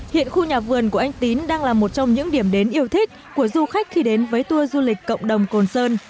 hiện khu nhà vườn của anh tín đang là một trong những điểm đến yêu thích của du khách khi đến với tour du lịch cộng đồng côn sơn